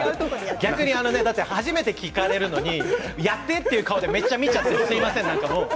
逆に初めて聴かれるのにやってという顔でめっちゃ見てすみません。